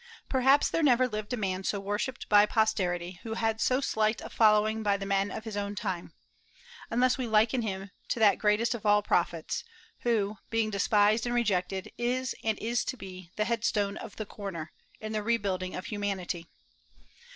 Perhaps there never lived a man so worshipped by posterity who had so slight a following by the men of his own time, unless we liken him to that greatest of all Prophets, who, being despised and rejected, is, and is to be, the "headstone of the corner" in the rebuilding of humanity.